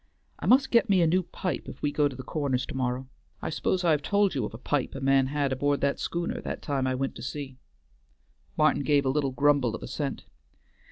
I must git me a new pipe if we go to the Corners to morrow. I s'pose I've told ye of a pipe a man had aboard the schooner that time I went to sea?" Martin gave a little grumble of assent.